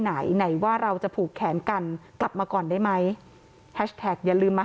ไหนไหนว่าเราจะผูกแขนกันกลับมาก่อนได้ไหมแฮชแท็กอย่าลืมมา